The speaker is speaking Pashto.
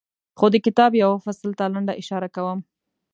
خو د کتاب یوه فصل ته لنډه اشاره کوم.